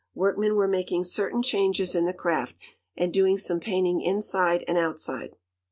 Workmen were making certain changes in the craft, and doing some painting inside and outside.